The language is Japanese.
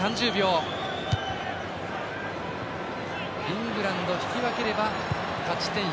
イングランドは引き分ければ勝ち点４。